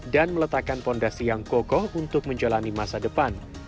dan meletakkan fondasi yang kokoh untuk menjalani masa depan